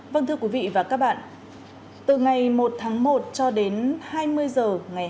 vâng thưa quý vị và các bạn từ ngày một tháng một cho đến hai mươi giờ